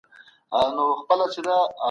اسلام د ورورولۍ پيغام هر ځای خپور کړی و.